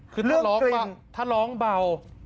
คือถ้าร้องเบา